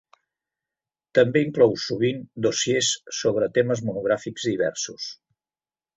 També inclou sovint dossiers sobre temes monogràfics diversos.